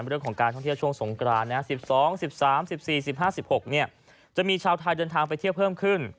เรื่องของการท่องเที่ยวช่วงสงกราน๑๒๑๓๑๔๑๕๑๖จะมีชาวไทยเดินทางไปเที่ยวเพิ่มขึ้น